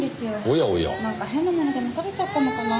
なんか変なものでも食べちゃったのかな？